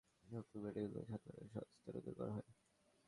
অবস্থার অবনতি হলে হবিবরকে রংপুর মেডিকেল কলেজ হাসপাতালে স্থানান্তর করা হয়।